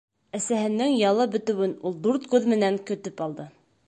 Әсәһенең ялы бөтәүен ул дүрт күҙ менән көтөп алды.